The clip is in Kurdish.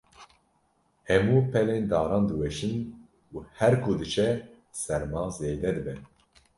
Hemû pelên daran diweşin û her ku diçe serma zêde dibe.